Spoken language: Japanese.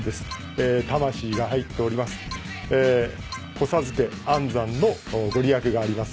子授け安産の御利益があります。